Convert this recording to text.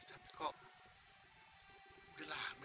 udah lah dia gak pernah kemari lagi